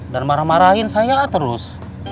dan marah marahin saya terus